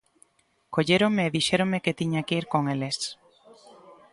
Colléronme e dixéronme que tiña que ir con eles.